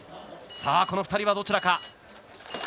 この２人はどちらか。